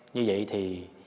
như vậy thì